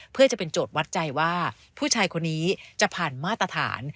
เพื่อจะเป็นโจทย์วัดใจว่าผู้ชายคนนี้จะผ่านมาตรฐาน